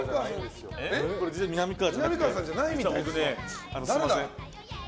実はみなみかわじゃなくてすみません。